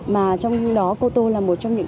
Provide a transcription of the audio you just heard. mà trong đó cô tô là một trong những